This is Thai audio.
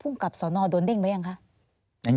ภูมิกับสรนโดนเด้งไหมหรือยัง